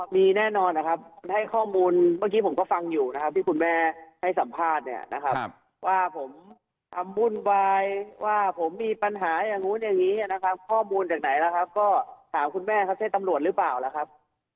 มีแน่นอนนะครับให้ข้อมูลเมื่อกี้ผมก็ฟังอยู่นะครับที่คุณแม่ให้สัมภาษณ์เนี่ยนะครับว่าผมทำวุ่นวายว่าผมมีปัญหาอย่างนู้นอย่างนี้นะครับข้อมูลจากไหนล่ะครับก็ถามคุณแม่ครับใช่ตำรวจหรือเปล่าล่ะครับ